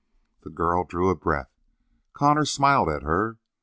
The girl drew a breath. Connor smiled at her.